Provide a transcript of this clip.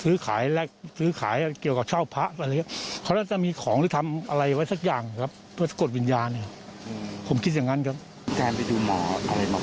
ดูเรื่อยครับหมอหมอนี่ไหนดีมาก็ดูหมดครับ